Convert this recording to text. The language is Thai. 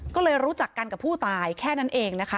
ก็เลยรู้จักกันกับผู้ตายแค่นั้นเองนะคะ